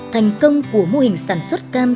thành công của mô hình sản xuất cam